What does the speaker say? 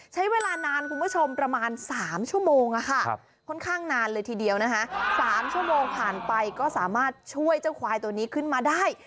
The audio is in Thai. ใช้เวลานานคุณผู้ชมประมาณ๓ชั่วโมงค่อนข้างนานเลยทีเดียวนะคะ๓ชั่วโมงผ่านไปก็สามารถช่วยเจ้าควายตัวนี้ขึ้นมาได้